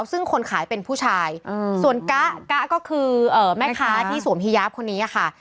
ซึ่งคนขายเป็นผู้ชายส่วนกะก็คือแม่ค้าที่สวมฮียาฟคนนี้ค่ะ